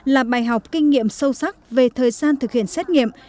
là bài học kinh nghiệm sâu sắc về thời gian thực hiện xét nghiệm